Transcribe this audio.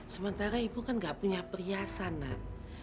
sementara ibu kan gak punya perhiasan nak